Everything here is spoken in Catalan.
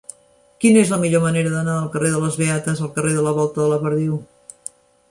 Quina és la millor manera d'anar del carrer de les Beates al carrer de la Volta de la Perdiu?